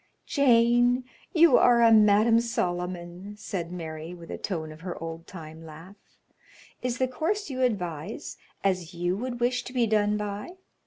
"Jane, you are a Madam Solomon," said Mary, with a tone of her old time laugh. "Is the course you advise as you would wish to be done by?"